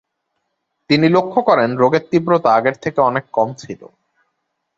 তিনি লক্ষ করেন রোগের তীব্রতা আগের থেকে অনেক কম ছিল ।